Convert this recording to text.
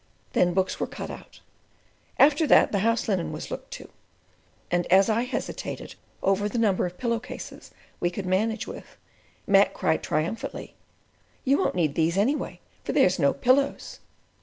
Then books were "cut out," after that the house linen was looked to, and as I hesitated over the number of pillow cases we could manage with, Mac cried triumphantly: "You won't need these anyway, for there's no pillows."